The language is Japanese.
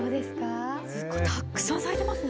たくさん咲いてますね。